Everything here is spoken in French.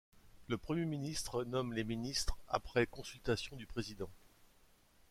Le Premier ministre nomme les ministres après consultation du président.